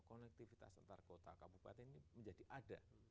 konektivitas antar kota kabupaten ini menjadi ada